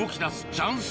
チャンス